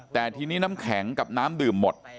แต่ทีนี้น้ำแข็งกับน้ำดื่มหมด